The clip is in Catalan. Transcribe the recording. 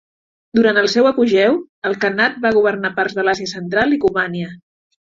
Durant el seu apogeu, el khanat va governar parts de l'Àsia Central i Cumania.